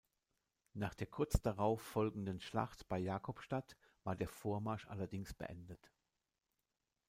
Nach der kurz darauf folgenden Schlacht bei Jakobstadt war der Vormarsch allerdings beendet.